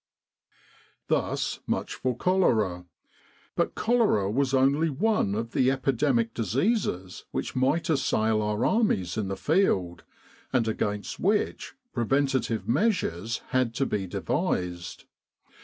Thus much for cholera. But cholera was only one of the epidemic diseases which might assail our armies in the field, and against which preventive measures had to be devised.